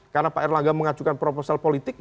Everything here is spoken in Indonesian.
karena pak erlangga mengajukan proposal politik